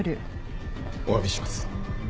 おわびします。